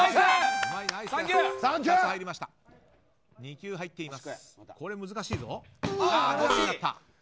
２球入っています。